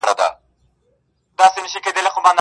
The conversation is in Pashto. خوږوالی په ژبه ښه لګي